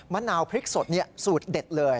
นาวพริกสดสูตรเด็ดเลย